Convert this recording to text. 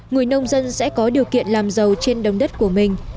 người nông dân sẽ có điều kiện làm giàu trên đồng đất của mình